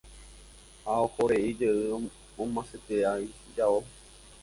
Ha ohorei jey omasetea ijao.